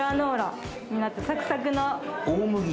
サクサクの大麦？